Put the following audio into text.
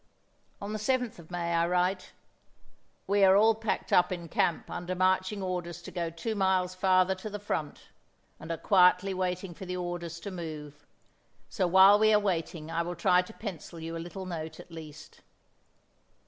On the 7th of May I write: "We are all packed up in camp under marching orders to go two miles farther to the front, and are quietly waiting for the orders to move, so while we are waiting I will try to pencil you a little note at least."